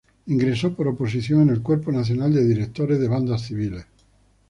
Ingresó por oposición en el Cuerpo Nacional de Directores de Bandas Civiles.